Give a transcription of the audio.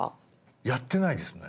やってないですね。